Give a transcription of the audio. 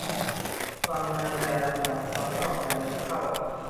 ความในอย่านำออก ความนอกอย่านำเข้า